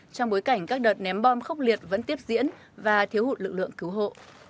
trong bối cảnh các đợt ném bom khốc liệt vẫn tiếp diễn và thiếu hụt lực lượng cứu hộ